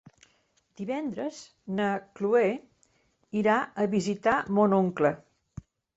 Divendres na Cloè irà a visitar mon oncle.